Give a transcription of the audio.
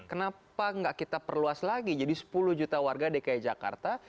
kenapa nggak kita perluas lagi jadi sepuluh juta warga dki jakarta